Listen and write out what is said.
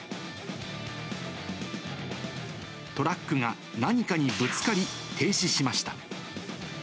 トラックが何かにぶつかり、停止しました。